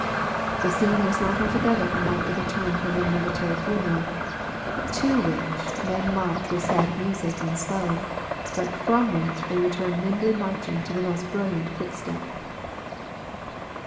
The scene was not altogether unlike the return from a military funeral, to which men march with sad music and slow, but from which they return nimbly marching to the most brilliant quick step.